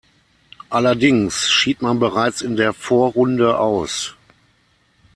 Allerdings schied man bereits in der Vorrunde aus.